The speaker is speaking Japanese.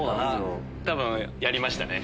多分やりましたね。